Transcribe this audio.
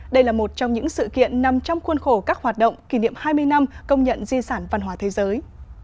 đây là một trong những sự kiện nằm trong khuôn khổ các hoạt động kỷ niệm hai mươi năm công nhận di sản văn hóa thế giới